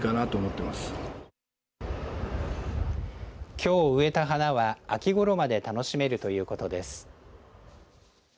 きょう植えた花は、秋ごろまで楽しめるということです。